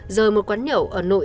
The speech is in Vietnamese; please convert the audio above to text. rời một quán nhậu ở nội